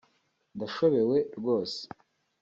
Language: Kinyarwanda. “Ndashobewe rwose